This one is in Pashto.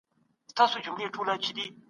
ښه ذهنیت آرامتیا نه خرابوي.